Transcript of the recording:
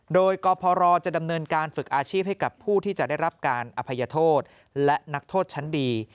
โดยกพรจะดำเนินการฝึกอาชีพให้กับผู้ที่จะได้รับการอภัยโทษและนักโทษชั้นดี